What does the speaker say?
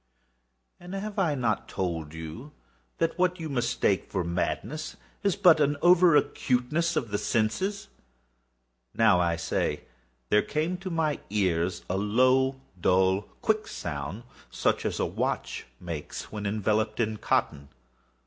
And have I not told you that what you mistake for madness is but over acuteness of the sense?—now, I say, there came to my ears a low, dull, quick sound, such as a watch makes when enveloped in cotton.